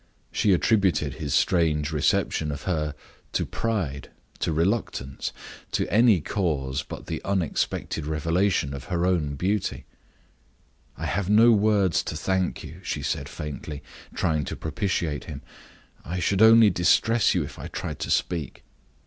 She attributed his strange reception of her to pride, to reluctance to any cause but the unexpected revelation of her own beauty. "I have no words to thank you," she said, faintly, trying to propitiate him. "I should only distress you if I tried to speak."